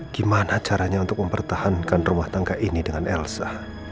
gimana caranya untuk mempertahankan rumah tangga ini dengan elsa